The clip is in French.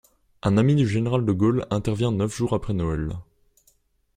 Un ami du général De Gaulle intervient neuf jours après Noël.